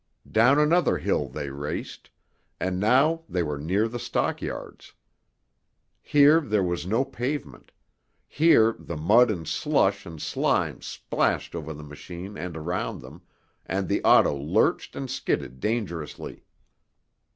Down another hill they raced, and now they were near the stockyards. Here there was no pavement; here the mud and slush and slime splashed over the machine and around them, and the auto lurched and skidded dangerously.